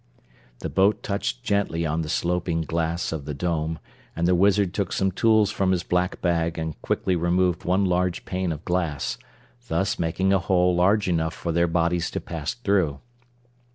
The boat touched gently on the sloping glass of the Dome, and the Wizard took some tools from his black bag and quickly removed one large pane of glass, thus making a hole large enough for their bodies to pass through.